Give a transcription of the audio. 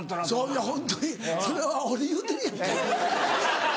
いやホントにそれは俺言うてるやん。